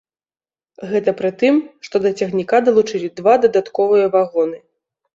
Гэта пры тым, што да цягніка далучылі два дадатковыя вагоны.